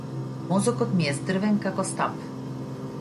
Мозокот ми е здрвен како стап.